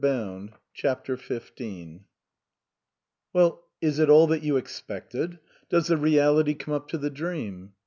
152 CHAPTER XV " T T 7ELL, is it all that you expected ? Does V V the reality come up to the dream